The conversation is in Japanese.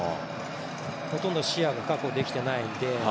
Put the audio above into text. ほとんど視野が確保できていないので。